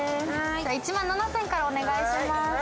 １万７０００円からお願いします。